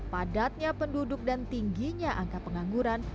padatnya penduduk dan tingginya angka pengangguran